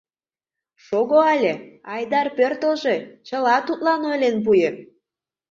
Шого але, Айдар пӧртылжӧ, чыла тудлан ойлен пуэм.